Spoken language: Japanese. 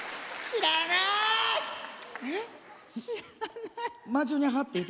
知らない。